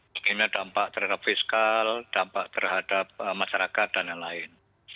bagaimana dampak terhadap fiskal dampak terhadap masyarakat dan lain lain